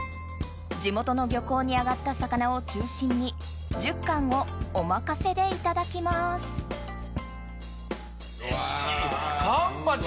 地元の漁港に揚がった魚を中心に１０貫をお任せでいただきますカンパチ！